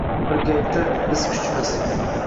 Birgalikda biz kuchmiz